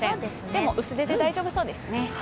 でも、薄手で大丈夫そうですね。